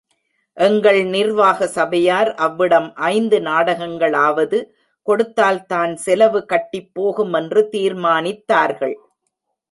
எங்கள் நிர்வாக சபையார் அவ்விடம் ஐந்து நாடகங்களாவது கொடுத்தால்தான் செலவு கட்டிப்போகும் என்று தீர்மானித்தார்கள்.